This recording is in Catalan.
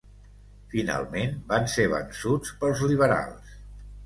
Finalment van ser vençuts pels liberals.